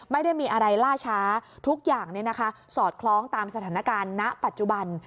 ไม่ได้มีอะไรล่าช้าทุกอย่างสอดคล้องตามสถานการณ์ณปัจจุบัน